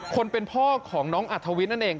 คนเป็นพ่อของน้องอัธวิทย์นั่นเอง